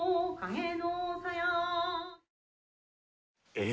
え？